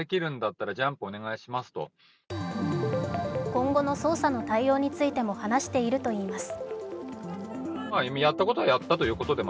今後の捜査の対応についても話しているといいます。